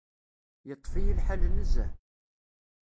Yeṭṭef-iyi lḥal nezzeh.